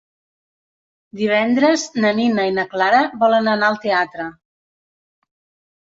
Divendres na Nina i na Clara volen anar al teatre.